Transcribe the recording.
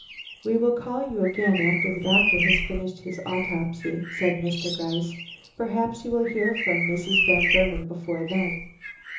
"We will call you again after the doctor has finished his autopsy," said Mr. Gryce. "Perhaps you will hear from Mrs. Van Burnam before then."